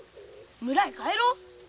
村へ帰ろう。